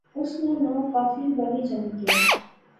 اس ناں ناں کافی بنی جمی گیا